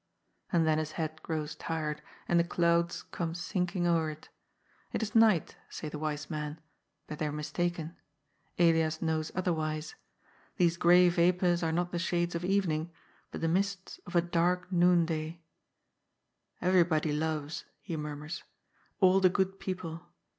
And then his head grows tired and the clouds come sink ing o'er it. It is night, say the wise men; but they are mistaken. Elias knows otherwise. These gray vapours are not the shades of evening, but the mists of a dark noon day. " Everybody loves," he murmurs. " All the good people.